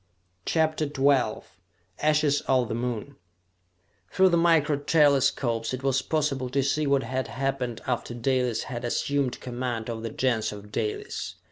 CHAPTER XII Ashes of the Moon Through the micro telescopes it was possible to see what had happened after Dalis had assumed command of the Gens of Dalis.